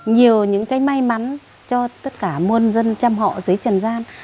nhiều những cái may mắn cho tất cả môn dân chăm họ dưới trần gian